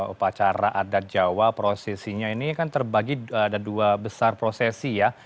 upacara adat jawa prosesinya ini kan terbagi ada dua besar prosesi ya